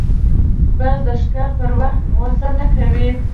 باز د ښکار پر وخت غوسه نه کوي